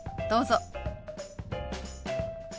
どうぞ。